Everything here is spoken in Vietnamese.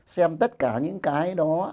xem tất cả những cái đó